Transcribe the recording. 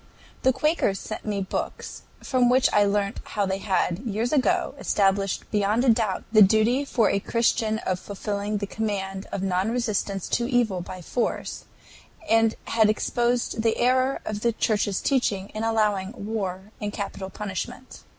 The Quakers sent me books, from which I learnt how they had, years ago, established beyond doubt the duty for a Christian of fulfilling the command of non resistance to evil by force, and had exposed the error of the Church's teaching in allowing war and capital punishment.